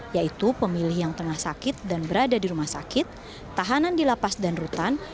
yaitu pemilih yang tengah sakit dan berada di rumah sakit tahanan di lapas dan rutan